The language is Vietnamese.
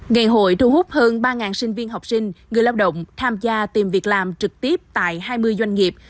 ngày hội thu hút hơn ba sinh viên học sinh người lao động tham gia tìm việc làm trực tiếp tại hai mươi doanh nghiệp